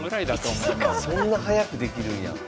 そんな早くできるんや。